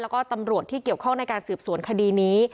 แล้วก็ตำรวจที่เกี่ยวข้องในการสืบสวนคดีนี้